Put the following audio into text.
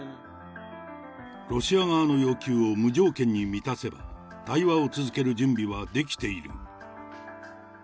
ロシア側の要求を無条件に満たせば、対話を続ける準備はできている。